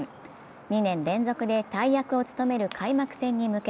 ２年連続で大役を務める開幕戦へ向け